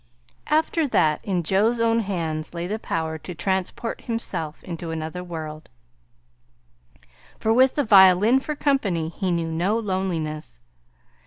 After that, in Joe's own hands lay the power to transport himself into another world, for with the violin for company he knew no loneliness.